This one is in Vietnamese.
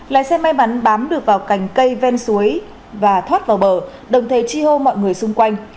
lái xe may mắn bám được vào cành cây ven suối và thoát vào bờ đồng thời chi hô mọi người xung quanh